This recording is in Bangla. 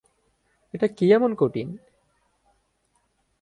এটা কি এমন কঠিন?